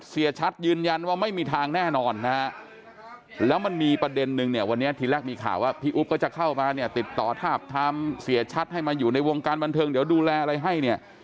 เสียชัดยืนยันว่าไม่มีทางแน่นอนนะฮะแล้วมันมีประเด็นนึงเนี่ยวันนี้ทีแรกมีข่าวว่าพี่อุ๊บก็จะเข้ามาเนี่ยติดต่อทาบทามเสียชัดให้มาอยู่ในวงการบันเทิงเดี๋ยวดูแลอะไรให้เนี่ย